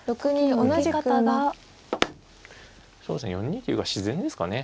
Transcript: ４二竜が自然ですかね。